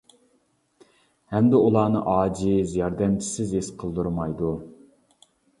ھەمدە ئۇلارنى ئاجىز، ياردەمچىسىز ھېس قىلدۇرمايدۇ.